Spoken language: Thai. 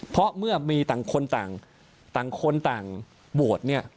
เพราะเมื่อมีต่างคนต่างคนต่างโหวตเนี่ย